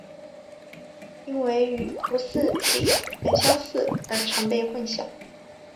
因为与湖拟鲤很相似而常被混淆。